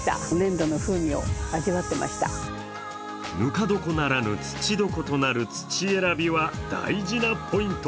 ぬか床ならぬ土床となる土選びは大事なポイント。